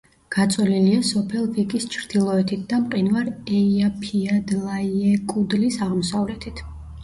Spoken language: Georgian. გაწოლილია სოფელ ვიკის ჩრდილოეთით და მყინვარ ეიაფიადლაიეკუდლის აღმოსავლეთით.